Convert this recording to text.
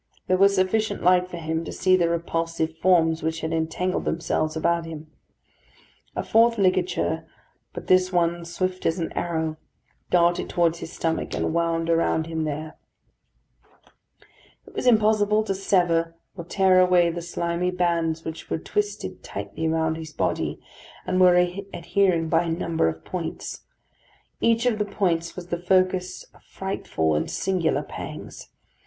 There was sufficient light for him to see the repulsive forms which had entangled themselves about him. A fourth ligature, but this one swift as an arrow, darted towards his stomach, and wound around him there. It was impossible to sever or tear away the slimy bands which were twisted tightly round his body, and were adhering by a number of points. Each of the points was the focus of frightful and singular pangs.